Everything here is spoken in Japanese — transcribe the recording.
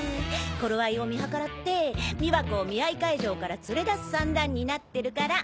頃合いを見計らって美和子を見合い会場から連れ出す算段になってるから。